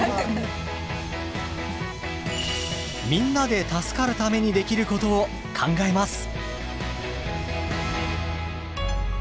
みんなで助かるためにできることを考えます。